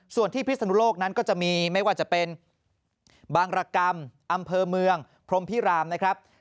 ส่วนที่พิศนุโลกนั้นก็จะมีไม่ว่าจะเป็นบางรกรรมอำเภอเมืองพรมพิรามนะครับ